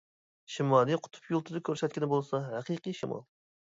شىمالىي قۇتۇپ يۇلتۇزى كۆرسەتكىنى بولسا ھەقىقىي شىمال.